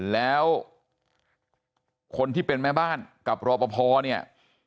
แล้วคนที่เป็นแม่บ้านกับรอปภเนี่ย